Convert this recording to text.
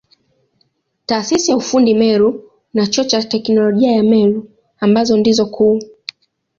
Taasisi ya ufundi Meru na Chuo cha Teknolojia ya Meru ambazo ndizo kuu.